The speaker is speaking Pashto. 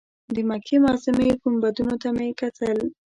د مکې معظمې ګنبدونو ته مې کتل.